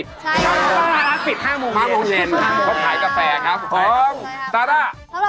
แล้วก็จะรู้ภาวะสัตว์